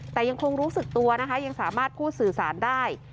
แต่ยังคงรู้สึกตัวนะคะยังสามารถพูดสื่อสารได้